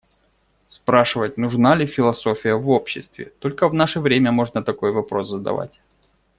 Спрашивать «нужна ли философия в обществе» - только в наше время можно такой вопрос задавать.